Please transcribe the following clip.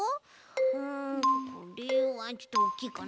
うんこれはちょっとおっきいかな。